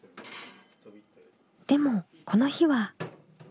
でもこの日は。